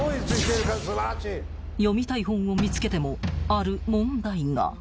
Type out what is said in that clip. ［読みたい本を見つけてもある問題が］